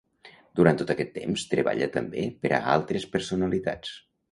Durant tot aquest temps treballa també per a altres personalitats.